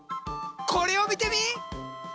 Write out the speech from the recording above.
これを見てみ！